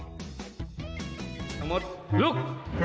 สมมติลุก